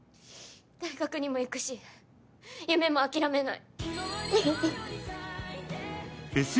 大学にも行くし、夢も諦めない。